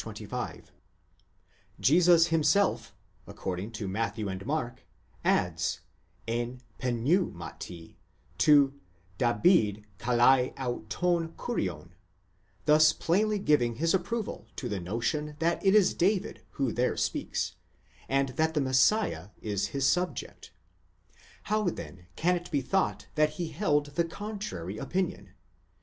25); Jesus himself, according to Matthew and Mark, adds & πνεύματι to Δαβὶδ καλεῖ αὐτὸν Κύριον, thus plainly giving his approval to the notion that it is David who there speaks, and that the Messiah is his subject : how then can it be thought that he held the contrary opinion?